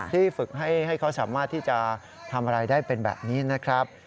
ที่ฝึกให้เขาสามารถที่จะทำอะไรได้เป็นแบบนี้นะครับ